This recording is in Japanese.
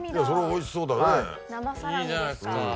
それおいしそうだね。